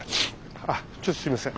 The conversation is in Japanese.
あちょっとすいません。